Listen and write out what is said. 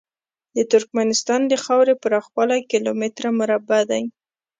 د ترکمنستان د خاورې پراخوالی کیلو متره مربع دی.